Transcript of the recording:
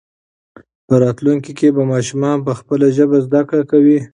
په راتلونکي کې به ماشومان په خپله ژبه زده کړه کوي.